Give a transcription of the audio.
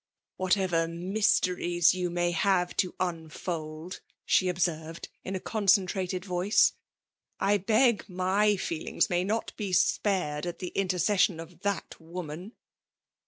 " Whatever mjBteries you may have to un fold," she observed in a concentrated voice, I beg my feelings may not be spared at the inter cession of that woman.